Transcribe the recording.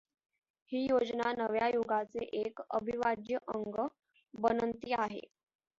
ही योजना नव्या युगाचे एक अविभाज्य अंग बनंती आहे.